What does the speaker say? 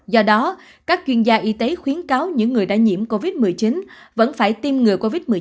do đó các chuyên gia y tế khuyến cáo những người đã nhiễm covid một mươi chín vẫn phải tiêm ngừa covid một mươi chín